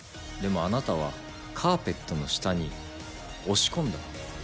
でもあなたはカーペットの下に押し込んだ。